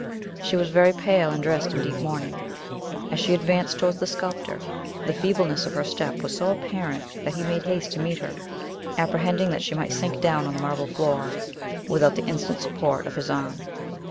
She was very pale, and dressed in deep mourning. As she advanced towards the sculptor, the feebleness of her step was so apparent that he made haste to meet her, apprehending that she might sink down on the marble floor, without the instant support of his arm.